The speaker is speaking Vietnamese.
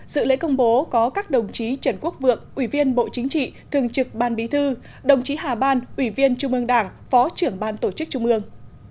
sự lễ công bố có các đồng chí trần quốc vượng ủy viên bộ chính trị thường trực ban bí thư đồng chí hà ban ủy viên trung ương đảng phó trưởng ban tổ chức trung ương